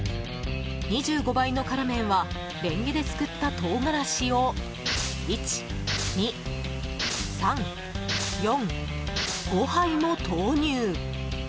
２５倍の辛麺はレンゲですくった唐辛子を１、２、３、４、５杯も投入！